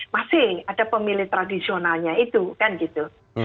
masih ada pemilih tradisionalnya itu kan gitu